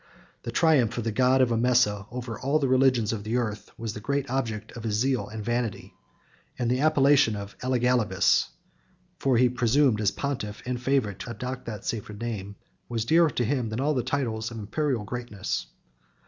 The triumph of the god of Emesa over all the religions of the earth, was the great object of his zeal and vanity; and the appellation of Elagabalus (for he presumed as pontiff and favorite to adopt that sacred name) was dearer to him than all the titles of Imperial greatness.